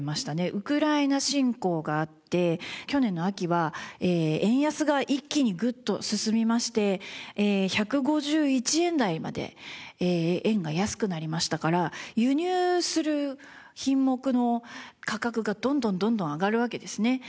ウクライナ侵攻があって去年の秋は円安が一気にグッと進みまして１５１円台まで円が安くなりましたから輸入する品目の価格がどんどんどんどん上がるわけですね。